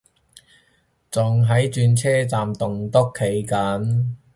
仲喺轉車站棟篤企緊